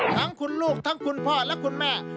ทั้งคุณลูกทั้งคุณพ่อและคุณแม่